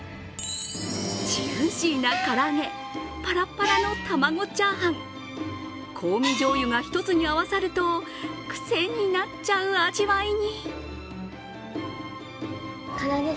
ジューシーなから揚げ、パラパラの玉子チャーハン、香味じょうゆが一つに合わさると癖になっちゃう味わいに。